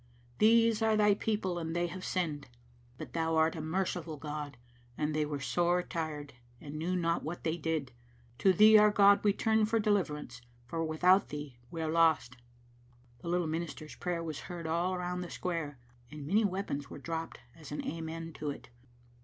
These are Thy peo ple, and they have sinned ; but Thou art a merciful God, and they were sore tried, and knew not what they did. To Thee, our God, we turn for deliverance, for without Thee we are lost." The little minister's prayer was heard all round the square, and many weapons were dropped as an Amen to it.